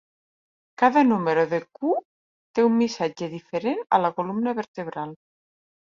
Cada número de "Q" té un missatge diferent a la columna vertebral.